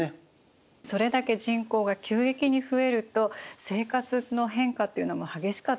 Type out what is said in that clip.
それだけ人口が急激に増えると生活の変化っていうのも激しかったでしょうね。